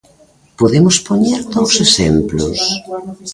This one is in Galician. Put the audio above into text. Podemos poñer dous exemplos.